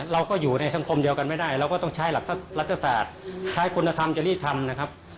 เราก็อยู่ในสังคมเดียวกันไม่ได้เราก็ต้องใช้หลักรัฐศาสตร์ใช้คุณธรรมจริยธรรมนะครับ